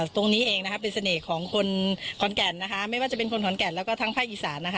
ตรงนี้เองนะคะเป็นเสน่ห์ของคนขอนแก่นนะคะไม่ว่าจะเป็นคนขอนแก่นแล้วก็ทั้งภาคอีสานนะคะ